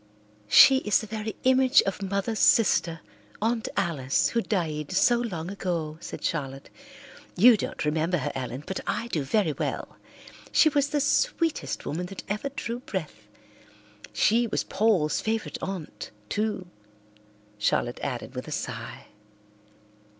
"She is the very image of Mother's sister, Aunt Alice, who died so long ago," said Charlotte. "You don't remember her, Ellen, but I do very well. She was the sweetest woman that ever drew breath. She was Paul's favourite aunt, too," Charlotte added with a sigh.